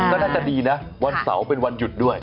ก็น่าจะดีนะวันเสาร์เป็นวันหยุดด้วย